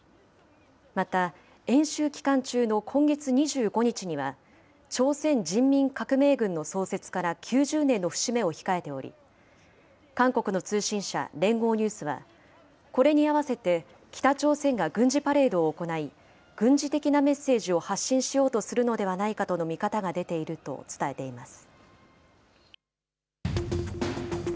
また、演習期間中の今月２５日には、朝鮮人民革命軍の創設から９０年の節目を控えており、韓国の通信社、連合ニュースは、これに合わせて北朝鮮が軍事パレードを行い、軍事的なメッセージを発信しようとするのではないかとの見方が出ていると伝えています。